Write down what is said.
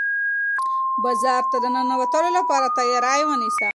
بازار ته د ننوتلو لپاره تیاری ونیسه.